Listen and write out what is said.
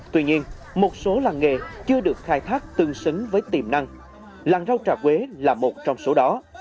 tuy nhiên một số làng nghề chưa được khai thác tương xứng với tiềm năng làng rau trà quế là một trong số đó